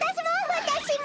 わたしも！